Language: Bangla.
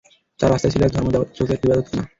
তাঁর রাস্তায় ছিল এক ধর্মযাজকের ইবাদতখানা।